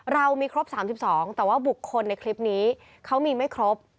เรามีครบ๓๒แต่ว่าบุคคลในคลิปนี้เขามีไม่ครบ